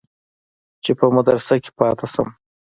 چې په مدرسه کښې پاته سم.